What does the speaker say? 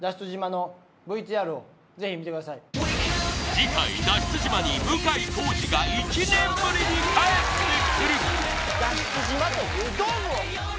次回脱出島に向井康二が１年ぶりに帰ってくる！